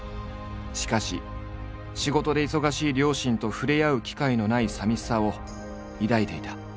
しかし仕事で忙しい両親と触れ合う機会のない寂しさを抱いていた。